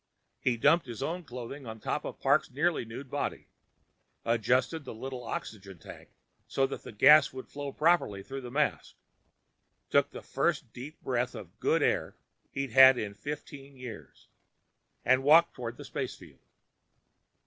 He dumped his own clothing on top of Parks' nearly nude body, adjusted the little oxygen tank so that the gas would flow properly through the mask, took the first deep breath of good air he'd had in fifteen years, and walked toward the spacefield.